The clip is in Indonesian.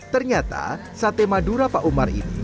ternyata sate madura pak umar ini